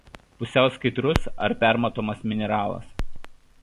Pusiau skaidrus ar permatomas mineralas.